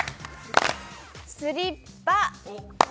スリッパ。